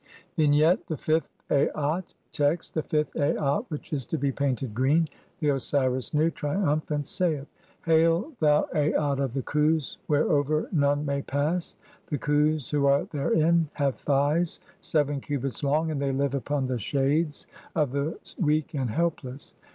V. Vignette : The fifth Aat e=0>. Text : (1) The fifth Aat [which is to be painted] green. The Osiris Nu, triumphant, saith :— "Hail, thou Aat of the Khus, whereover none may pass. (2) "The Khus who are therein have thighs seven cubits long, and "they live upon the shades of the weak and helpless.